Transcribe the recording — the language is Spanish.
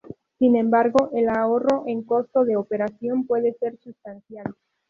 Sin embargo, el ahorro en costo de operación puede ser sustancial.